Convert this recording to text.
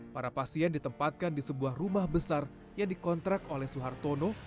para pasien ditempatkan di sebuah rumah besar yang dikontrak oleh suhartono